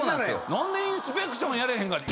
何でインスペクションやれへんかった？